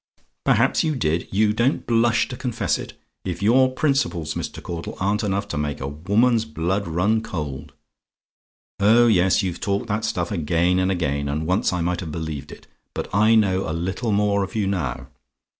"PERHAPS YOU DID? "You don't blush to confess it? If your principles, Mr. Caudle, aren't enough to make a woman's blood run cold! "Oh, yes! you've talked that stuff again and again; and once I might have believed it; but I know a little more of you now.